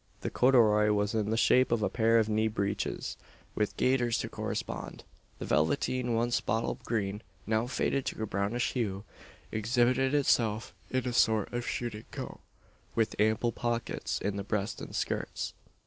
The corduroy was in the shape of a pair of knee breeches, with gaiters to correspond; the velveteen, once bottle green, now faded to a brownish hue, exhibited itself in a sort of shooting coat, with ample pockets in the breast and skirts.